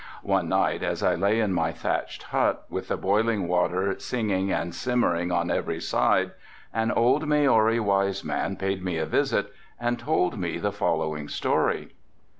One night as I lay in my thatched hut, with the boiling water singing and simmering on every side, an old Maori wise man paid me a visit and told me the following story.